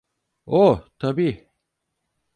Oh, tabi.